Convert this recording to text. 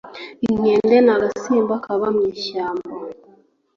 inkende nagasimba kaba mwishyamba